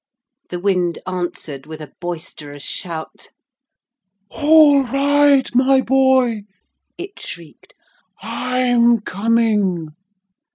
The wind answered with a boisterous shout 'All right, my boy,' it shrieked, 'I'm coming.'